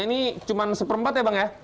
ini cuma seperempat ya bang ya